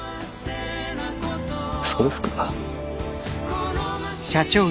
そうですか。